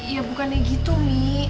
ya bukannya gitu umi